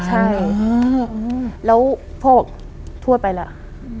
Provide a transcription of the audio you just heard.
ใช่แล้วพ่อบอกทวดไปแล้ว